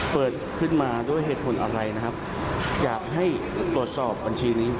เปิดขึ้นมาด้วยเหตุผลอะไรนะครับอยากให้ตรวจสอบบัญชีนี้